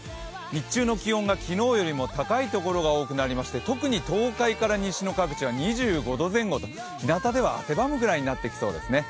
日中の気温が昨日より高いところが多くなりまして特に東海から西の各地は２５度前後とひなたでは汗ばむぐらいになってきそうですね。